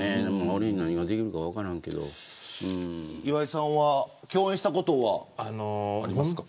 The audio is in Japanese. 俺に何ができるか分からな岩井さんは共演したことはありますか。